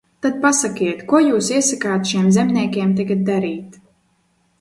Tad pasakiet, ko jūs iesakāt šiem zemniekiem tagad darīt?